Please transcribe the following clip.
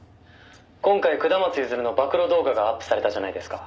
「今回下松譲の暴露動画がアップされたじゃないですか」